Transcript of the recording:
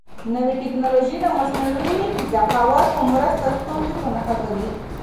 نوې تکنالوژي د مصنوعي ذکاوت په مرسته ستونزې په نښه کوي.